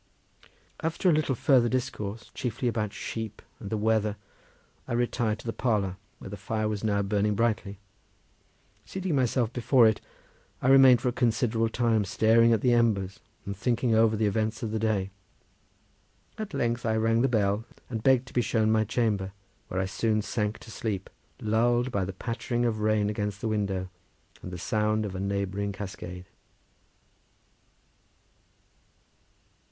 After a little farther discourse, chiefly about sheep and the weather, I retired to the parlour, where the fire was now burning brightly; seating myself before it, I remained for a considerable time staring at the embers and thinking over the events of the day. At length I rang the bell and begged to be shown to my chamber, where I soon sank to sleep, lulled by the pattering of rain against the window and the sound of a neighbouring cascade.